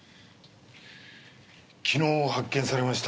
昨日発見されました。